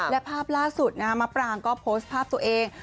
และภาพล่าสุดนะมะปรางก็โพสต์ภาพตัวเอง